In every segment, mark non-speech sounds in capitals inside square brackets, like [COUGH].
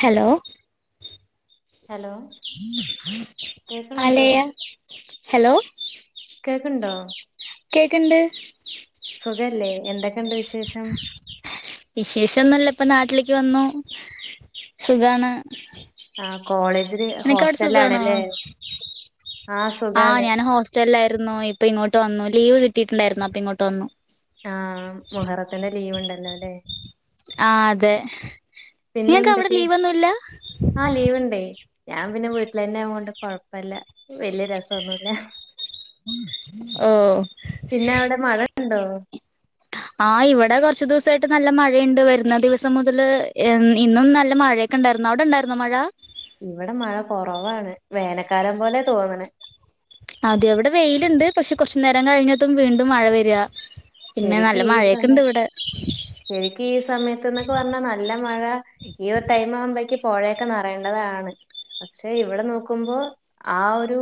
Hello hello അല്ലെ കേക്കണ്ടോ കേക്കുണ്ട് എന്തൊക്കെയുണ്ട് വിശേഷം വിശേഷമൊന്നുംല്ല ഇപ്പ നാട്ടില് വന്നു സുഖാണ് ആഹ കോളേജ് എനക്കാടെ സുഖമാണോ ആ ഞാൻ ഹോസ്റ്റലായിരുന്നു ഇപ്പ ഇങ്ങോട്ട് വന്നു ലീവ് കിട്ടിട്ടുണ്ടായിരുന്നു അപ്പൊ ഇങ്ങോട്ട് വന്നു ആ മുഹറത്തിന്റെ ലീവ് ഉണ്ടല്ലോ അല്ലേ ആ അതെ പിന്നെ നിങ്ങക്ക് അവിടെ എന്തൊക്കെ ലീവൊന്നുല്ല ആ ലീവ്ണ്ടേ ഞാൻ പിന്നെ വീട്ടിലന്നെ കൊണ്ട് കൊഴപ്പല്ല വല്യ രസൊന്നുല്ല ഓഹ് പിന്നെ അവിടെ മഴ ഉണ്ടോ ആ് ഇവിടെ കൊറച്ചു ദിവസായിട്ട് നല്ല മഴേണ്ട്. വരുന്ന ദിവസം മുതൽ ഇന്നും നല്ല മഴയൊക്കെ ണ്ടായിരുന്നു. എന്ന അവിടെണ്ടായിരുന്നോ മഴ ഇവിടെ മഴ കൊറവാണ് വേനക്കാലം പോലെ തോന്നണെ അതെ അവിടെ വെയിലുണ്ട് പക്ഷെ കൊറച്ചു നേരം കഴിഞ്ഞത്തും വീണ്ടും മഴ വരിക പിന്നെ നല്ല മഴയൊക്കെ ഇണ്ട് ഇവിടെ ശക്ക് ഈ സമയത്ത്ന്നൊക്കെ പറഞ്ഞാ നല്ല മഴ ഈ ഒരു ടൈം ആവുമ്പക്ക് പൊഴെക്കെ നിറയേണ്ടതാണ് പക്ഷെ ഇവിടെ നോക്കുമ്പോ ആ ഒരു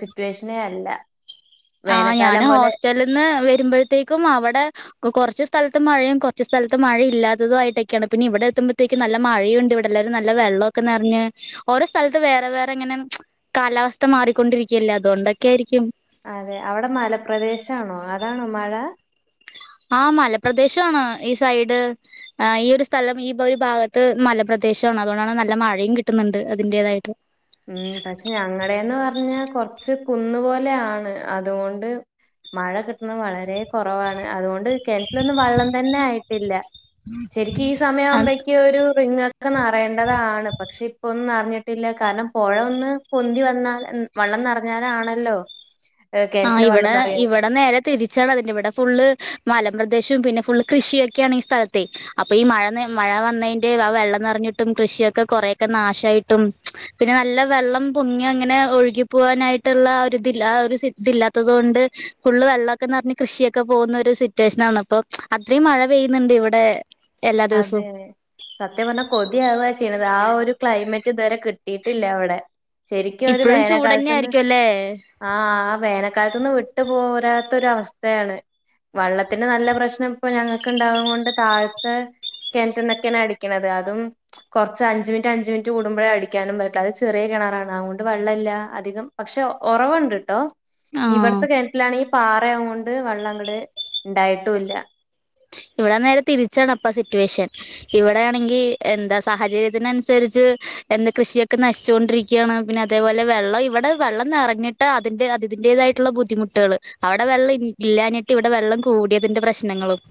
സിറ്റുവേഷനെ അല്ല ആഹ ഞാന് വേനൽക്കാലം പോലെ ഹോസ്റ്റല നിന്ന് വരുമ്പോഴത്തേക്കും അവിടെ കൊറച്ച് കൊറച്ച് സ്ഥലത്ത് മഴയും കൊറച്ച് സ്ഥലത്ത് മഴയും ഇല്ലാത്തതു ആയിട്ടൊക്കെയാണ് പിന്നെ ഇവിടെ എത്തുമ്പഴേക്കും നല്ല മഴയുംുണ്ട്വിടെല്ലരും നല്ല വെള്ളമൊക്കെ നിറഞ്ഞ് ഓരോ സ്ഥലത്ത് വേറെ വേറെങ്ങനെ കാലാവസ്ഥ മാറിക്കൊണ്ടിരിക്കുകല്ലേ അതുകൊണ്ടൊ ഒക്കെ ആയിരിക്കും അെ അവിടെ മലപ്രദേശാണോ അതാണോ മഴ ആ മലപ്രദേശണ് ഈ സൈഡ് ആ ഈ ഒരു സ്ഥലം ഈ ഒരു ഭാഗത്ത് മലപ്രദേശാണ് അതുകൊണ്ടാണ് നല്ല മഴയും കിട്ടുന്നുണ്ട് അതിന്റേതായിട്ട് ഉം പക്ഷെ ഞങ്ങളടെന്ന് പറഞ്ഞാ കൊറച്ച് കുന്ന് പോലെയാണ് അതുകൊണ്ട് മഴ കിട്ടുന്നത് വളരെ കൊറവാണ് അതുകൊണ്ട് കെണറ്റ്ലൊന്നും വള്ളം തന്നെ ആയിട്ടില്ല. ശരിക്ക് ഈ അത് സമയാവ്മ്പേയ്ക്കൊരു ക്കനറയണ്ടതാണ് പക്ഷെ ഇപ്പൊന്നും അറിഞ്ഞിട്ടില്ല കാലം പൊഴ ഒന്ന് പൊന്തി വന്നാ വെള്ളം നിറഞ്ഞാലാണല്ലോ ഏഹ് ആ കിണറ്റില് വെള്ളം ഇവിടെ നിറയ. ഇവടെ നേരെ തിരിച്ചാണ് അതിന്റെ ഇവടെ ഫുള്ള് മലപ്രദേശവും പിന്നെ ഫുൾ കൃഷിയൊക്കെയാണ് ഈ സ്ഥലത്തെ അപ്പൊ ഈ മഴ മഴ വന്നതിന്റെ വെള്ളം നിറഞ്ഞിട്ടും കൃഷിയൊക്കെ കുറ ക്കെ നാശമായിട്ടും പിന്നെ നല്ല വെള്ളം പൊങ്ങി അങ്ങനെ ഒഴുകി പോവാനായിട്ടുള്ള ഇതി ആ ഒരു ഇതില്ലാത്തത് കൊണ്ട് ഫുള്ള് വെള്ളൊക്കെന്ന് പറഞ്ഞു കൃഷിയൊക്കെ പോകുന്നൊരു സിറ്റുവേഷനാണ് അപ്പൊ അത്രയും മഴ പെയ്യുന്നുണ്ട് ഇവിടെ എല്ലാ അതെ ദിവസവും സത്യം പറഞ്ഞ കൊതി ആവുവ ചെയത് ആ ഒരു ക്ലൈമറ്റ് ഇതുവരെ കിട്ടിയിട്ടില്ല അവിടെ ശരിക്കും ഒരു ഇപ്പോഴും ചൂടന്നെ വേനക്കാലത്തുന്ന് ആയിരിക്കും അല്ലേ ആ ആ വേന മക്കാലത്തൊന്നും വിട്ട് പോരാത്തൊര അവസ്ഥയാണ് വെള്ളത്തിന് നല്ല പ്രശ്നം ഇപ്പൊ ഞങ്ങൾക്ക്ണ്ടാവും കൊണ്ട് താഴ്ത്തെ കിണറ്റന്നൊക്കെയാണ് അടിക്കുന്നത് അത കുറച്ച് അഞ്ച് മിനിറ്റ് അഞ്ചു മിനിറ്റ് കൂടുമ്പോഴേ അടിക്കാനും പറ്റ അത് ചെറിയ കിണാറാണ് അതുകൊണ്ട് വെള്ളമില്ല അധികം പക്ഷെ ഉറവുണ്ട് കേട്ടോ ആഹ് ഇവിടത്തെ കിണറ്റിലാണ ഈ പാറയാ കൊണ്ട് വെള്ളം ഉണ്ട് ഇതായിട്ടുമില്ല [INAUDIBLE] ഇവിടെ നേരെ തിരിച്ചാണ്പ്പ സിറ്റുവേഷൻ ഇവിടെയാണെങ്കി എന്താ സാഹചര്യത്തിന അനുസരിച്ച് എന്ത് കൃഷിയൊക്കെ നശിച്ചുകൊണ്ടിരിക്കുകയാണ് പിന്നെ അതേപോലെ വെള്ളം ഇവിടെ വെള്ളം നിറഞ്ഞിട്ട് അതിന്റെ അതിന്റെ തായിട്ടുള്ള ബുദ്ധിമുട്ടുകൾ അവിടെ വെള്ളം ഇല്ലഞ്ഞിട്ട് ഇവിടെ വെള്ളം കൂടിയതിന്റെ പ്രശ്നങ്ങളും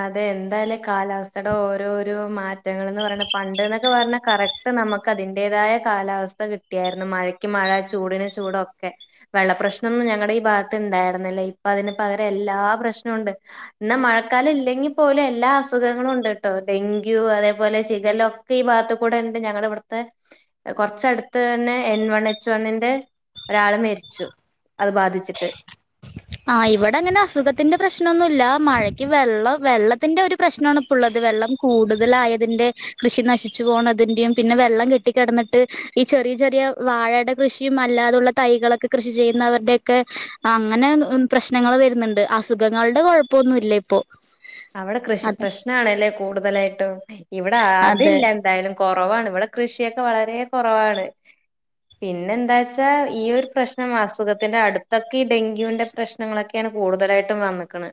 അതെ എന്തായാലേ കാലാവസ്ഥയുടെ ഓരോരോ മാറ്റങ്ങൾന്ന് പറഞ്ഞ പണ്ട് എന്നൊക്കെ പറഞ്ഞ കറക്റ്റ് നമുക്ക് അതിന്റേതായ കാലാവസ്ഥ കിട്ടിയായിരുന്നു മഴയ്ക്ക് മഴ ചൂടിന് ചൂടൊക്കെ വെള്ള പ്രശ്നമൊന്നും ഞങ്ങളുടെ ഈ ഭാഗത്ത് ഇണ്ടായിരുന്നില്ലേ ഇപ്പ അതിന് പകര എല്ലാ പ്രശ്നമുണ്ട് ഇ മഴ ക്കാല ഇല്ലെങ്കിൽ പോലും എല്ലാ അസുഖങ്ങളും ഉണ്ട് കേട്ടോ ഡെങ്കു അതേപലെ ശികലൊക്കെ ഈ ഭാഗത്ത് കൂടെ ഞങ്ങള ഇവിടുത്തെ കൊറച്ചടുത്ത് തന്നെ എൻ വൺ എച്ച് വണ്ണിന്റെ ഒരാളെ മരിച്ചു അത് ബാധിച്ചിട്ട് ആ് ഇവിടെ അങ്ങനെ അസുഖത്തിന്റെ പ്രശ്നംന്നുമല്ല മഴയ്ക്ക് വെള്ള വെള്ളത്തിന്റെ ഒരു പ്രശ്നമാണ് ഇപ്പ ഉള്ളത് വെള്ളം കൂടുതലായതിന്റെ കൃഷി നശിച്ചു പോണംതിന്റെയും പിന്നെ വെള്ളം കെട്ട കിടന്നിട്ട് ഈെ ചെറിയ ചെറിയ വാഴയുടെ കൃഷിയും അല്ലാതുള്ള തൈകളൊക്കെ കൃഷി ചെയ്യുന്നവരുടെയൊക്കെ അങ്ങനെ പ്രശ്നങ്ങൾ വരുന്നുണ്ട് അസുഖങ്ങളുടെ കുഴപ്പൊന്നുംല്ല ഇപ്പോൊ അവിടെ കൃഷി പ്രശ്നണല്ലേ കൂടുതലായിട്ടും ഇവിടെ അതെ അതില്ല എന്തായാലും കുറവാണ് ഇവിടെ കൃഷിയൊക്കെ വളരെ കുറവാണ് പിന്നെ എന്താ വച്ചാ ഈ ഒരു പ്രശ്നം അസുഖത്തിന്റെ അടുത്തൊക്കെ ഈ ഡെങ്കുന്റെ പ്രശ്നങ്ങളൊക്കെയാണ് കൂടുതലായിട്ടും വന്ന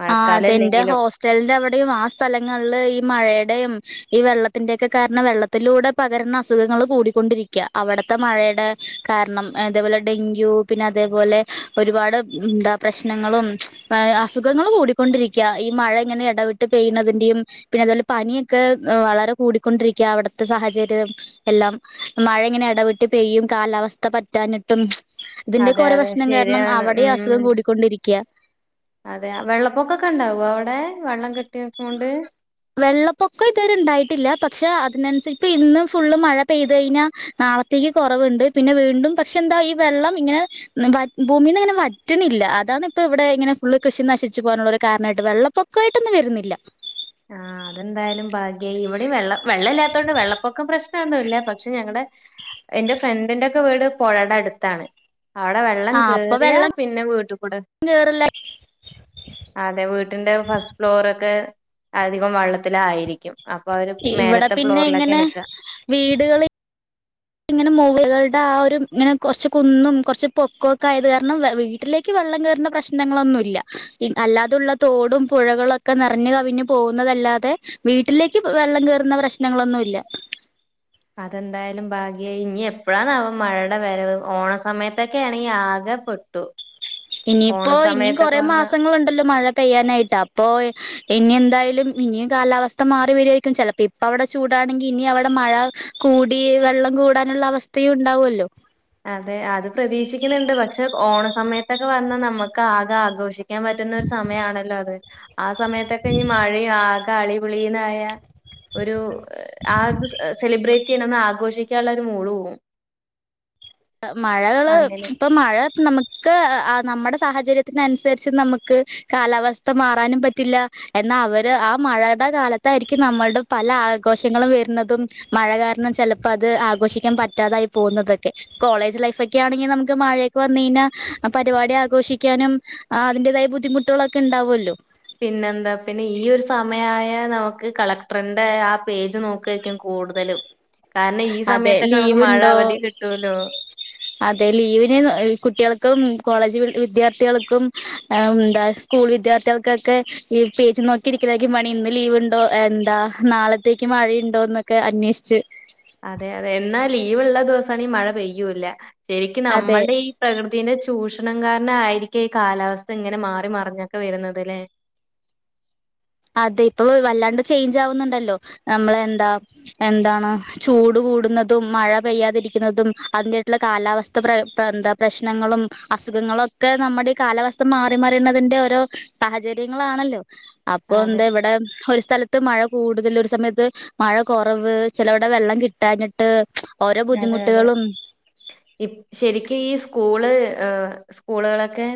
മഴക്കാലല്ലെ എന്റെ ഹോസ്റ്റലിന്റെ അവിടെയും ആ സ്ഥലങ്ങളില് ഈ മഴയുടെയും ഈ വെള്ളത്തിന്റെൊക്കെ കാരണം വെള്ളത്തിലൂടെ പകരുന്ന അസുഖങ്ങൾ കൂടിക്കൊണ്ടിരിക്കയ അവിടത്തെ മഴയുടെ കാരണം അതേപോലെ ഡെങ്കു പിന്നെ അതേപോലെ ഒരുപാട് എന്താ പ്രശ്നങ്ങളും [UNINTELLIGIBLE] അസുഖങ്ങൾ കൂടിക്കൊണ്ടിരിക്കുക ഈ മഴ ഇങ്ങനെ ഇടവിട്ട് പെയ്യുന്നതിന്റെയും പിന്നെ അതോല പനിയൊക്കെ വളരെ കൂടിക്കൊണ്ടിരിക്ക അവിടുത്തെ സാഹചര്യം എല്ലാം മഴ ഇങ്ങനെ ഇടവിെട്ട് പെയ്യും കാലാവസ്ഥ പറ്റാ ട്ടും അതെ ഇതിന്റെറെ അതെ പ്രശ്നം കാരണം ശരിയാണ് അവിടെയും അസുഖം ഉം കൂടിക്കൊണ്ടിരിക്കയാ അതെ വെള്ളപ്പൊക്കൊക്കെ ഉണ്ടാവോ അവിടെ വെള്ളം കെട്ടി നിക്കണോണ്ട് വെള്ളപ്പൊക്കം ഇതുവരെ ഉണ്ടായിട്ടില്ല പക്ഷ അതിനനുസരിപ്പ ഇന്നും ഫുള്ള് മഴ പെയ്ത് കഴിഞ്ഞാൽ നാളത്തേക്ക് കുറവുണ്ട് പിന്നെ വീണ്ടും പക്ഷെ എന്ത ഈ വെള്ളം ഇങ്ങനെ ഭൂമീ നിന്ന് ഇങ്ങനെ വറ്റുന്നില്ല അതാണ് ഇപ്പ ഇവിടെ ഇങ്ങനെ ഫുള് കൃഷി നശിച്ചു പോ ള്ളൊരു കാരണമായിട്ട് വെള്ളപ്പൊക്കമായിട്ടൊന്ന വരുന്നില്ല ആ അതെന്തായാലും ഭാഗ്യായി ഇവിടെ വെള്ളം വെള്ള ഇല്ലാത്തതൊണ്ട് വെള്ളപ്പൊക്കം പ്രശ്നമൊന്നും ഇല്ല പക്ഷെ ഞങ്ങളുടെ എന്റെ ഫ്രണ്ടിന്റെൊക്കെ വീട് പുഴയുടെ അടുത്താണ് അവിടെ വെള്ളം ആ അപ്പൊ കേറിയാ വെള്ളം പിന്നെ വീട്ട കൂടെ കേറില്ല അതെ വീട്ടിന്റെ ഫസ്റ്റ് ഫ്ലോറൊക്കെ അധികം വള്ളത്തിലയിരിക്കും അപ്പൊ അവര് ഇവിടെ മേലത്തെ പിന്നെ ഫ്ലോറിലൊക്കെ ഇങ്ങനെ എണക്കുക വീടുകൾ ഇങ്ങനെ മികളുടെ ആ ഒരു ഇങ്ങനെ കൊറച്ച് കുന്നും കുറച്ച് പൊക്കൊക്കെ ആയത് കാരണം വീട്ടിലേക്ക് െ്ന്ന അല്ലാ തോടും പുെ നി കവിു അല്ലാതെ വീട്ടിലേക്ക് വെള്ളം കേയറുന്ന പ്രശ്നങ്ങളൊന്നുംല്ല [UNINTELLIGIBLE] അതെന്തായാലും ഭാഗ്യ ഇനി എപ്പോഴാന്നാവ മഴയുടെ വരത് ഓണ സമയത്തൊക്കൊണെങ്കിൽ ആകെ എട്ട് ഇനിയിപ്പോ ഇനി കൊറെേ മാസങ്ങളുണ്ടല്ലോ മഴ പെയ്യാനായിട്ട് അപ്പൊ ഇനി എന്താ ഇിയും കാലാവസ്ഥ മാറി വരികായിരിക്കും ചപ്പോ ഇപ്പ അവിടെ ചൂടാണെങ്ക ഇനിടെ മഴ കൂ വെള്ളം കൂടാനുള്ള അവസ്ഥയും ഉണ്ടാവുമല്ലോ അതെ അത് പ്രതീക്ഷിക്കുന്നുണ്ട് പക്ഷെ ഓണ സമയത്തൊക്കെ വന്നാൽ നമുക്ക് ആകെ ആഘോഷിക്കാൻ പറ്റ പറ്റുന്ന ഒരു സമയമാണല്ലോ അത് ആ സമയത്തൊക്കെ ഇനി മഴയും ആകെ അടിിപളീന്നായ ഒരു ആ സെലിബ്രേറ്റ് ന്ന് ആഘോഷിക്കാനുള്ള ഒരു മൂളവും മഴകള് ഇപ്പൊ മഴ നമുക്ക് നമ്മുടെ സാഹചര്യത്തിനനുസരിച്ച് നമുക്ക് കാലാവസ്ഥ മാറാനും പറ്റില്ല അവര് ആ മഴയുടെ കാലത്തായിരിക്കും നമ്മളുടെ പല ആഘോഷങ്ങളും വരുന്നതും മഴ കാരണം ചിലപ്പോ അത് ആഘോഷിക്കാൻ പറ്റാതായി പോകുന്നതൊക്കെ കോളേജ് ലൈഫ് ഒക്കെ ആണെങ്കിൽ നമുക്ക് മഴയൊക്ക്െ വന്ന കഴിഞ്ഞാ പരിപാടി ആഘോഷിക്കാനും അതിന്റെ അത ബുദ്ധിമുുകളൊക്കെണ്ടാവുമല്ലോ പിന്നെന്താ പിന്നെ ഈ ഒരു സമയായ നമുക്ക് കളക്ടറിന്റെ ആ പേജ് നോക്കക്കും കൂ കൂടുതലും കാരണം ഈ അതെ സമയത്തൊക്കെ നമുക്ക് ലീവ് മഴ ഉണ്ടോ അവധി കിട്ടൂല്ലോ അതെ ലീവിന് കുട്ടികൾക്കും കോളേജ് വിദ്യാർത്ഥികൾക്കും എന്താ സ്കൂൾ വിദ്യാർത്ഥികൾക്കൊക്കെ ഈ പേജ നോക്കിരിക്ക ഇതാക്കി മണി ഇന്ന് ലീവ്ണ്ടോ എന്താ നാളത്തേക്ക് മഴയുണ്ടോ എന്നൊക്കെ അന്വേഷിച്ച് അതെ അതെ എന്നാ ലീവള്ള ദിവസമാണ് ഈ മഴ പെയ്യൂല്ല ശരിക്കും അതെ നമ്മളുടെ ഈ പ്രകൃതിെ ചൂഷണം കാരന ആയിരിക്ക ഈ കാലാവസ്ഥ ഇങ്ങനെ മാറി മറിഞ്ഞൊക്കെ വരുന്നത് ലെ [UNINTELLIGIBLE] അതെ ഇപ്പൊ വല്ലാണ്ട് ചേഞ്ച് ആവുന്നുണ്ടല്ലോ നമ്മള എന്താ എന്താണ് ചൂട് കൂ കൂടുന്നതും മഴ പെയ്യാതിരിക്കുന്നതും അതിറായിട്ടുള്ള കാലാവസ്ഥ എന്താ പ്രശ്നങ്ങളും അസുഖങ്ങളൊക്കെ നമ്മുടെ ഈ കാലാവസ്ഥ മാറി മാറിയുന്നതിന്റെ ഓരോ സാഹചര്യങ്ങളാണല്ലോ അപ്പോൊ അതെ എന്താ ഇവിടെ ഒരു സ്ഥലത്ത് ഇത്ത് മഴ കൂടുതൽ ഒരു സമയത്ത് മഴ കുറവ് ചിലവടെ വെള്ളം കിട്ടാഞ്ഞിട്ട് ഓരോ അതെ അതെ ബുദ്ധിമുട്ടുകളും ഇ ശരിക്കും ഈ സ്കൂള് സ്കൂളുകളൊക്കെ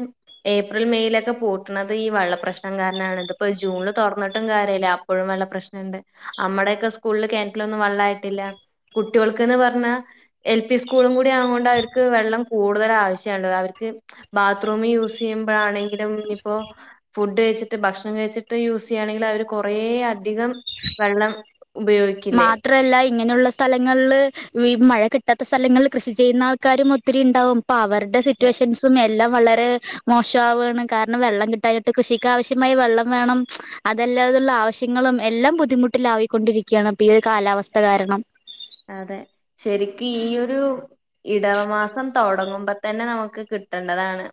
ഏപ്രിൽ മെയയിലൊക്കെ പൂട്ടണുന്നത് ഈ വെള്ളപ്രശ്നം കാരണം ഇ ജൂണില് തുറന്നിട്ടും കാര്യല്ല അപ്പോഴ വെള്ള പ്രശ്നംുണ്ട് നമ്മുടെയൊക്കെ സ്ക്കൂലില് കിണറ്റിലൊന്നു വെള്ള ട്ട കുട്ടികൾക്ക് പറഞ്ഞ എൽ പി സ്ക്കൂളുകൂടി ആവുമ്പോ അവർക്ക് വെള്ളം കൂടുതൽ ആവശഅവർക്ക് ബാത്ത് യൂ ചെയ്പണെില ഇപ്പോ ഫു് കഴിട്ട് ഭക്ഷണം കഴിച്ചിട്ട് യൂസ് ചെയ്യണെങ്കിൽ അവ കുണ വരേ അധികം വെള്ളം ഉപയോഗിക്കില്ലേ അങ്ങനെയുള്ള സ്ഥലങ്ങളില് മഴ കിട്ടാത്ത സ്ഥലങ്ങളിൽ കൃഷി ചെയ്യുന്ന ആൾക്കാരും ഒത്തിരി ഉണ്ടാവും പ്പ അവരുടെ സിറ്റുവേഷൻസും വളരെ മോഷാ പാണ് കാരണം വെള്ളം കിട്ടാഞ്ഞിട്ട്കൃഷിക്ക് ആവശ്യമായ വെള്ളം വേണം അല്ലാതുള്ള ആവശ്യങ്ങളും എല്ലാം ബുദ്ധിമുട്ടില ആാവിക്കൊണ്ടിരിക്കുകയാണ് ഇപ്പൊ ഈ ഒരു കാലാവസ്ഥ കാരണം അതെ ശരിക്കും ഈ ഒരു ഇടവമാസം തുടങ്ങുമ്പോ തന്നെ നമുക്ക് കിട്ടേണ്ടതാണ്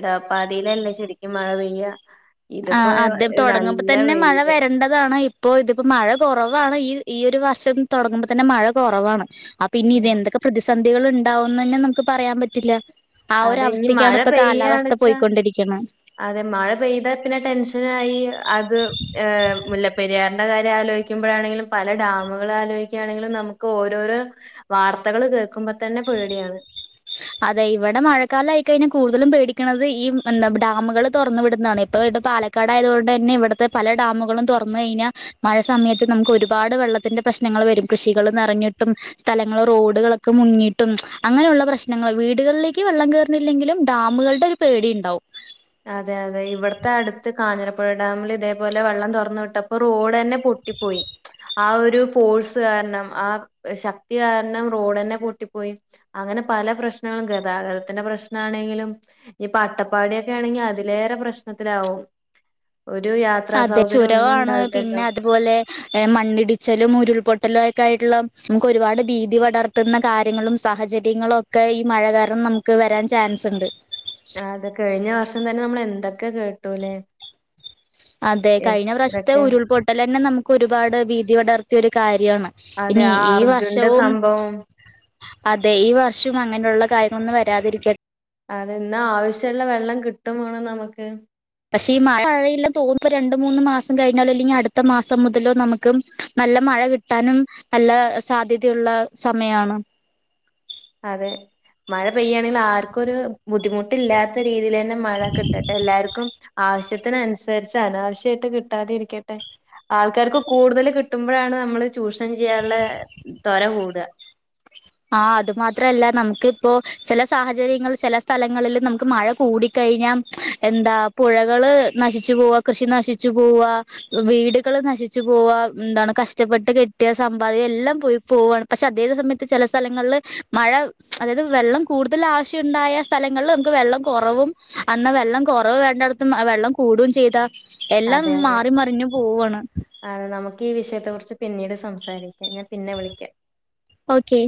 ഇടവപ്പാതയിലല്ലെ ശരിക്കും മഴ പെയ്യ ആ ഇതിപ്പോ അദ്യം തുടങ്ങുമ്പോ നല്ല തന്നെ മഴ വെയില് വരേണ്ടതാണ് ഇപ്പൊ ഇതിപ്പോ മഴ കുറവ് ാണ് ഈ ഈ ഒരു വർഷം തുടങ്ങുമ്പോ തന്നെ മഴ കുറവാണ് അപ്പ പിന്നെ ഇത് എന്തൊക്കെ പ്രതിധ സന്ധികൾ ഉണ്ടാവന്ന് തന്നെ നമുക്ക് പറയാൻ പറ്റില്ല ആ ഒരു അതെ ഇനി മഴ അവസ്ഥക്കാണ് ഇപ്പൊ കാലാവസ്ഥ പെയ്യണ്ച്ചാ പോയിക്കൊണ്ടിരിക്കണ അതെ മഴ പെയ്താ പിന്നെ ടെൻഷനാ അയ്യ് അത് ഏ മുല്ലപ്പെരിയാറിൻ്റെകാര്യം ആലോയിക്കുമ്പോഴാണെങ്കിലും പല ഡാമുകളാലോയിക്ക മ്പഴാണെങ്കിലും നമുക്ക് ഓരോരോ വാർത്തകള് കേൾക്കുമ്പതന്നെ പേടിയാണ് അതെ ഇവിടെ മഴക്കാലായിക്കഴിഞ്ഞാ കൂടുതലും പേടിക്കണന്നത് ഈ എന്താ ഡാമുകള് തൊറന്നു വിടുന്നാണ് ഏ പ്പോ പ്പ പാലക്കാടായതോണ്ടന്നെ ഇവ്ടത്തെ പല ഡാമുകളും തൊറന്ന് കയിഞ്ഞാ മഴ സമയത്ത് നമുക്ക് ഒരുപാട് വെള്ള ള്ളത്തിന്റെ പ്രശ്നങ്ങള് വരും. കൃഷികള് നെറഞ്ഞിട്ടും സ്ഥലങ്ങള്, റോഡുകളൊക്കെ മുങ്ങിയിട്ടും അങ്ങനെയുള്ള പ്രശ് നങ്ങള്. വീടുകളിലെക്ക് വെള്ളം കേയറുന്നില്ലെങ്കിലും ഡാമുകൾടെ ഒരു പേടി ഇണ്ടാവും അതെ അതെ ഇവടത്തെ അടുത്ത് കാഞ്ഞിരപ്പുഴ ഡാമില് ഇതേപോലെ വെള്ളം തൊറന്നു വിട്ടപ്പൊറോഡ്ന്നെ പൊ കാരണം ആ ശക്തി കാരണം റോഡന്നെ പൊട്ടിപ്പോയി അങ്ങനെ പല പ്രശ്നങ്ങളും ഗതാഗതത്തിന്റെ പ്രശ്നാണെങ്കിലും ഇനിയിപ്പോ അട്ടപ്പാടിയൊക്കെ ആണെങ്കി അതിലേറെ പ്രശ്നത്തിലാവും ഒരു യാത്രാ അതെ സൗകര്യം ഒന്നും ചുരവാണ് ഉണ്ടാവില്ലല്ലോ പിന്നെ അതുപോലെ മണ്ണിടിച്ചലും ഉരുൾപൊട്ടലും ഒക്കെ ആയിട്ടുള്ള നമുക്ക് ഒരുപാട് ഭീതി പടർത്തുന്ന കാര്യങ്ങളും സാഹചര്യങ്ങളും ഒക്കെ ഈ മഴ കാരണം നമുക്ക് വരാൻ ചാൻസ് ഉണ്ട് അത് കഴിഞ്ഞ വർഷം തന്നെ നമ്മൾ എന്തൊക്കെ കേട്ടൂല്ലേ അതെ കഴിഞ്ഞ പ്രാവശ്യത്തെ എത്രക്കെ ഉരുൾപൊട്ടലന്നെ നമുക്ക് ഒരുപാട് ഭീതി പടർത്തിയ ഒരു കാര്യാണ്. അതെ ഇനി ആ ഈ അർജുന്റെ വർഷവും സംഭവം അതെ ഈ വർഷവും അങ്ങനെയുള്ള കാര്യങ്ങളൊന്നും വരാതിരിക്ക അതെന്നാ ആവശ്യള്ള വെള്ളം കിട്ടും വേണം നമുക്ക് പക്ഷെ ഈ മഴ മഴയില്ലെന്ന് തോന്നുന്നു രണ്ട് മൂന്ന് മാസം കഴിഞ്ഞാലോ അല്ലെങ്കിൽ അടുത്ത മാസം മുതലോ നമുക്ക് നല്ല മഴ കിട്ടാനും നല്ല സാധ്യതയുള്ള സമയാണ്. അതെ മഴ പെയ്യാണെങ്കിൽ ആർക്കും ഒരു ബുദ്ധിമുട്ടില്ലാത്ത രീതിയിൽ തന്നെ മഴ കിട്ടട്ടെ എല്ലാവർക്കും ആവശ്യത്തിന് അനുസരിച്ച് അനാവശ്യമായിട്ട് കിട്ടാതിരിക്കട്ടെ ആൾക്കാർക്ക് കൂടുതൽ കിട്ടുമ്പോഴാണ് നമ്മള് ചൂഷണം ചെയ്യാനുള്ള തൊര കൂടുക ആ അത് മാത്രല്ല നമുക്കിപ്പോ ചില സാഹചര്യങ്ങൾ ചില സ്ഥലങ്ങളിൽ നമുക്ക് മഴ കൂടിക്കഴിഞ്ഞാ എന്താ പുഴകള് നശിച്ചു പോവാ കൃഷി നശിച്ചു പോവാ വീടുകള് നശിച്ചു പോവാ എന്താണ് കഷ്ടപ്പെട്ട് കെട്ടിയ സമ്പാദ്യം എല്ലാം പോയി പോവാണ് പക്ഷെ അതേ സമയത്ത് ചില സ്ഥലങ്ങളില് മഴ അതായത് വെള്ളം കൂടുതൽ ആവശ്യണ്ടായ സ്ഥലങ്ങളിൽ നമുക്ക് വെള്ളം കുറവും അന്നാ വെള്ളം കുറവ് വേണ്ടടത്തും വെള്ളം കൂടുകയും ചെയ്താ എല്ലാം അതെ അതെ മാറി മറിഞ്ഞു പോവാണ് അതെ നമുക്ക് ഈ വിഷയത്തെ കുറിച്ച് പിന്നീട് സംസാരിക്കാം ഞാൻ പിന്നെ വിളിക്കാം ഓക്കെ